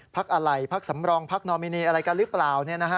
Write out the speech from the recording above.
อะไรพักสำรองพักนอมินีอะไรกันหรือเปล่า